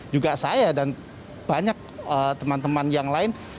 juga saya dan banyak teman teman yang lain